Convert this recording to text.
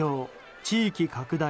地域拡大。